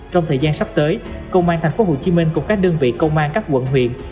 trong thời gian sắp tới công an tp hcm cùng các đơn vị công an các quận huyện